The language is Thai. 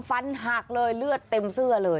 ฟันหักเลยเลือดเต็มเสื้อเลย